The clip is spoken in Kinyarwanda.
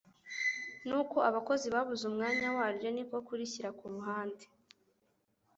nuko abakozi babuze umwanya waryo niko kurishyira ku ruhande.